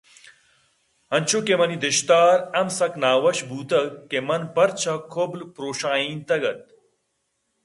انچو کہ منی دشتار ہم سک نہ وش بوتگ کہ من پرچہ کُبل پرٛوشائینتگ اَت